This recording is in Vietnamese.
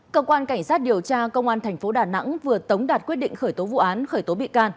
công an cảnh sát điều tra công an tp đà nẵng vừa tống đạt quyết định khởi tố vụ án khởi tố bị can